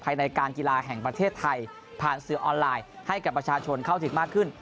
ในการกีฬาแห่งประเทศไทยผ่านสื่อออนไลน์ให้กับประชาชนเข้าถึงมากขึ้น